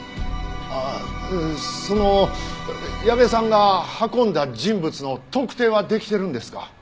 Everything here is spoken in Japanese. あっその矢部さんが運んだ人物の特定はできているんですか？